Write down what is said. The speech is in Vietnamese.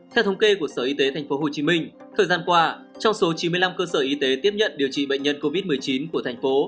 theo thống kê của sở y tế tp hcm thời gian qua trong số chín mươi năm cơ sở y tế tiếp nhận điều trị bệnh nhân covid một mươi chín của thành phố